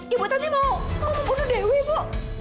ibu nanti mau membunuh dewi bu